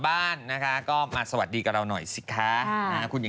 บ้านนะคะก็อิอาสวัสดีกับเราหน่อยสิค่ะ